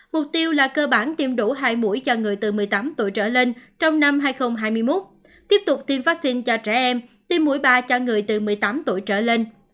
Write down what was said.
mục tiêu là cơ bản tiêm đủ hai mũi cho người từ một mươi tám tuổi trở lên trong năm hai nghìn hai mươi một tiếp tục tiêm vaccine cho trẻ em tiêm mũi ba cho người từ một mươi tám tuổi trở lên